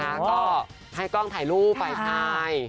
เอาละนะคะก็ให้กร่องถ่ายรูปไฟไท